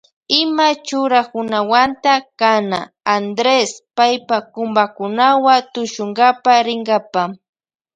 Ima churakunawanta kana Andres paypa kumpakunawa tushunkapa rinkapa.